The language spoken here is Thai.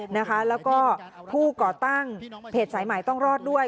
แล้วก็ผู้ก่อตั้งเพจสายใหม่ต้องรอดด้วย